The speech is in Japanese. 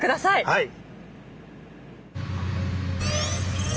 はい。